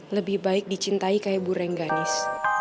lebih baik dicintai kayak bu rengganis